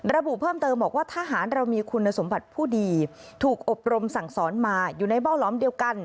ระบุเพิ่มเติมบอกว่าทหารเรามีคุณสมบัติผู้ดีถูกอบรมสั่งสอนมาอยู่ในเบ้าล้อมเดียวกัน